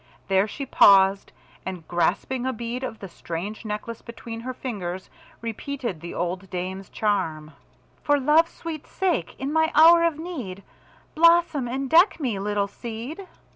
There she paused, and grasping a bead of the strange necklace between her fingers, repeated the old dame's charm: "For love's sweet sake, in my hour of need, Blossom and deck me, little seed."